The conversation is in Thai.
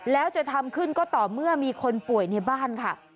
แล้วจะทำขึ้นก็ต่อเมื่อมีคนป่วยในบ้านค่ะ